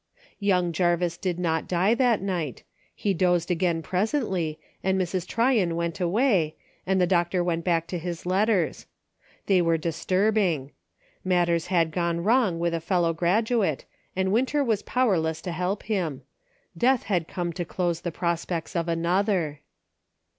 Young Jarvis did not die that night; he dozed again presently, and Mrs. Tyron went away, and the doctor went back to his letters. They were disturbing. Matters had gone wrong with a fel low graduate, and Winter was powerless to help him. Death had come to close the prospects of another.